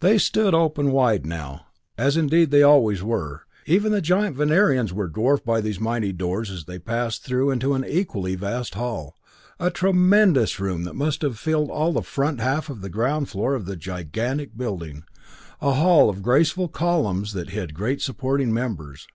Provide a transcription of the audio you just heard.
They stood open wide now, as indeed they always were. Even the giant Venerians were dwarfed by these mighty doors as they passed through into an equally vast hall, a tremendous room that must have filled all the front half of the ground floor of the gigantic building, a hall of graceful columns that hid the great supporting members.